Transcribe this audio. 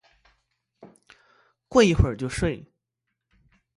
过一会就睡